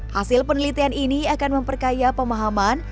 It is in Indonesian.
hasil penelitian ini akan memperkaya pemahaman